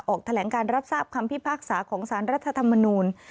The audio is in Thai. ออกแถลงการรับทราบคำพิพากษาของสารรัฐธรรมนูล